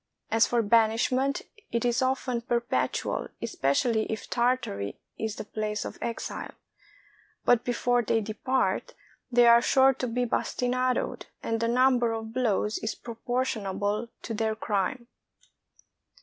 As for banishment, it is often perpetual, especially if Tartary is the place of exile; but before they depart, they are sure to be bastinadoed ; and the number of blows is proportionable to their crime.